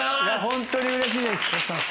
ホントにうれしいです！